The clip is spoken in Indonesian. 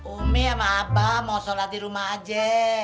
umi sama apa mau sholat di rumah aja